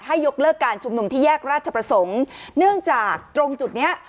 ยกเลิกการชุมนุมที่แยกราชประสงค์เนื่องจากตรงจุดเนี้ย